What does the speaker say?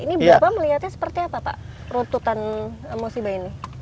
ini bapak melihatnya seperti apa pak runtutan musibah ini